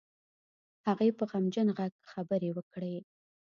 هغې په غمجن غږ خبرې وکړې.